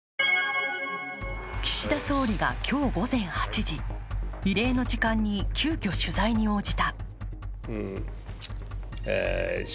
岸田総理が今日午前８時、異例の時間に急きょ、取材に応じた。